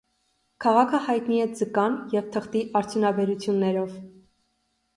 Քաղաքը հայտնի է ձկան և թղթի արդյունաբերություններով։